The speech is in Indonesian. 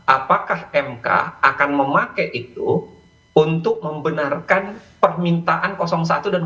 apakah mk akan memakai itu untuk membenarkan permintaan satu dan dua